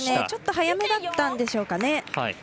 ちょっと速めだったんでしょうかね。